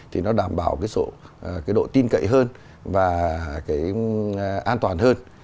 thì nó đảm bảo độ tin cậy hơn và an toàn hơn